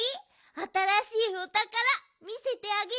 あたらしいおたからみせてあげるよ。